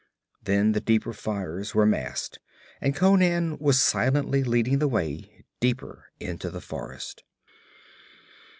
Then the deeper fires were masked and Conan was silently leading the way deeper into the forest.